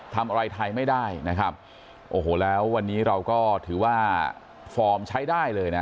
ทำอะไรไทยไม่ได้นะครับโอ้โหแล้ววันนี้เราก็ถือว่าฟอร์มใช้ได้เลยนะ